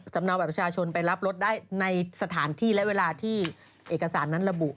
เนาบัตรประชาชนไปรับรถได้ในสถานที่และเวลาที่เอกสารนั้นระบุ